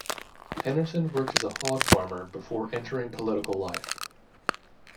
Henderson worked as a hog farmer before entering political life.